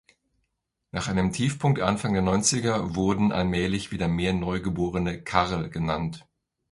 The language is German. Nach einem Tiefpunkt Anfang der Neunziger wurden allmählich wieder mehr Neugeborene Karl genannt.